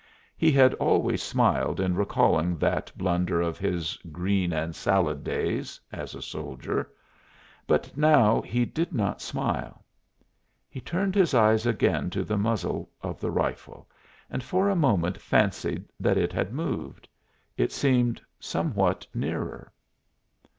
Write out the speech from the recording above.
He had always smiled in recalling that blunder of his "green and salad days" as a soldier, but now he did not smile. He turned his eyes again to the muzzle of the rifle and for a moment fancied that it had moved; it seemed somewhat nearer.